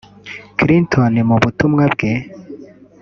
Clinton mu butumwa bwe